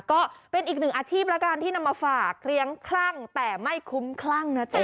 ก็เป็นอีกหนึ่งอาชีพแล้วกันที่นำมาฝากเลี้ยงคลั่งแต่ไม่คุ้มคลั่งนะจ๊ะ